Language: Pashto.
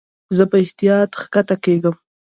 زه په احتیاط کښته کېږم.